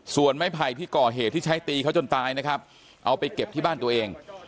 ส่วนไม้ไผ่ที่ก่อเหตุที่ใช้ตีเขาจนตายนะครับเอาไปเก็บที่บ้านตัวเอง